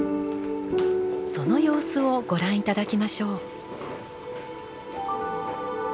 その様子をご覧頂きましょう。